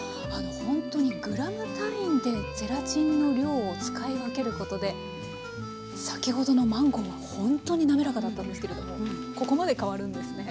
ほんとにグラム単位でゼラチンの量を使い分けることで先ほどのマンゴーはほんとに滑らかだったんですけれどもここまで変わるんですね。